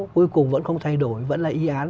cuối cùng vẫn không thay đổi vẫn là y án